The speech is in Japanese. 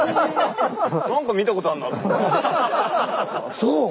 そう！